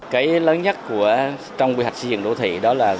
cái lớn nhất trong quy hoạch xây dựng đô thị đó là